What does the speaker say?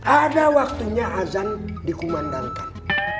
ada waktunya azan dikumandangkan